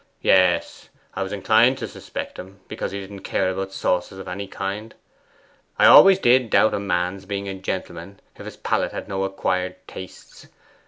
Yes, I was inclined to suspect him, because he didn't care about sauces of any kind. I always did doubt a man's being a gentleman if his palate had no acquired tastes.